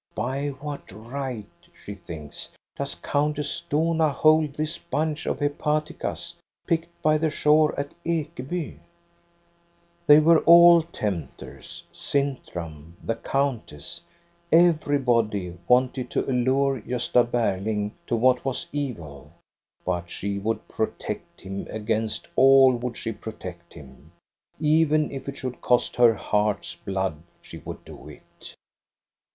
"By what right," she thinks, "does Countess Dohna hold this bunch of hepaticas, picked by the shore at Ekeby t " They were all tempters: Sintram, the countess, everybody wanted to allure Gosta Berling to what was evil. But she would protect him; against all would she protect him. Even if it should cost her heart's blood, she would do it.